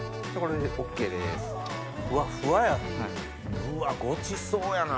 うわっごちそうやな。